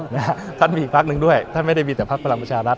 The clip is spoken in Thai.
ท่านมีอีกพักหนึ่งด้วยท่านไม่ได้มีแต่พักพลังประชารัฐ